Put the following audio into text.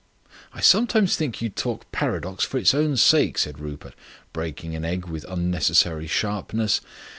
"I sometimes think you talk paradox for its own sake," said Rupert, breaking an egg with unnecessary sharpness.